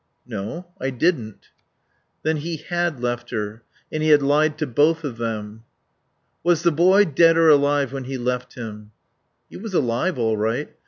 "No. I didn't." Then he had left her. And he had lied to both of them. "Was the boy dead or alive when he left him?" "He was alive all right.